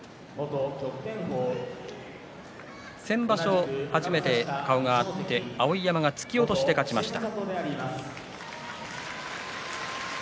先場所、初めて顔が合って碧山は突き落としで勝ちました。